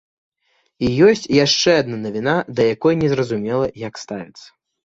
І ёсць яшчэ адна навіна, да якой незразумела, як ставіцца.